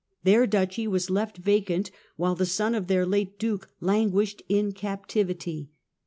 Their duchy was left vacant, while the son of their late duke languished in captivity.